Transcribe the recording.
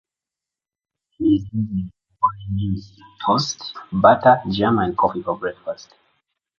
She is having orange juice, toast, butter, jam and coffee for breakfast.